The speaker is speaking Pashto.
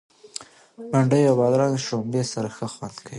بنډۍ او بادرنګ له شړومبو سره ښه خوند کوي.